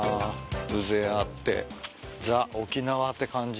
風情あってザ沖縄って感じ。